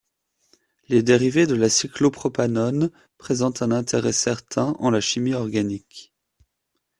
Les dérivés de la cyclopropanone présentent un intérêt certain en la chimie organique.